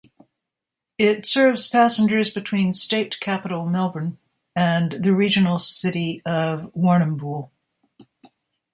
It serves passengers between state capital Melbourne and the regional city of Warrnambool.